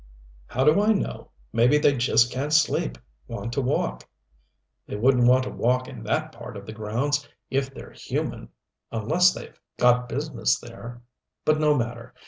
"How do I know? Maybe they just can't sleep want to walk " "They wouldn't want to walk in that part of the grounds, if they're human, unless they've got business there. But no matter.